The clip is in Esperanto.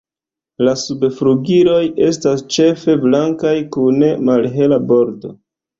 La subflugiloj estas ĉefe blankaj kun malhela bordo.